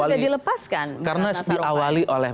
tapi kan sudah dilepaskan karena diawali oleh